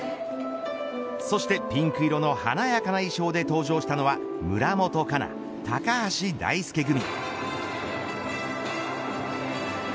そして、ピンク色の華やかな衣装で登場したのは村元哉中、高橋大輔組。